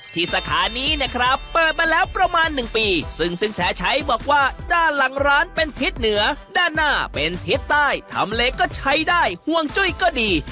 สาขานี้เนี่ยครับเปิดมาแล้วประมาณ๑ปีซึ่งสินแสชัยบอกว่าด้านหลังร้านเป็นทิศเหนือด้านหน้าเป็นทิศใต้ทำเลก็ใช้ได้ห่วงจุ้ยก็ดี